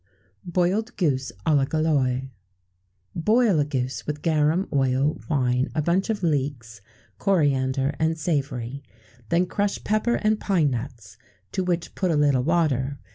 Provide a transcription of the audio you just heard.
[XVII 78] Boiled Goose à la Gauloise. Boil a goose with garum, oil, wine, a bunch of leeks, coriander, and savory; then crush pepper and pine nuts, to which put a little water.